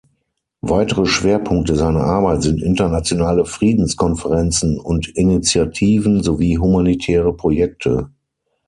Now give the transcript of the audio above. Weitere Schwerpunkte seiner Arbeit sind internationale Friedenskonferenzen und -initiativen, sowie humanitäre Projekte.